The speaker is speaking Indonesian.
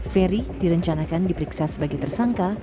ferry direncanakan diperiksa sebagai tersangka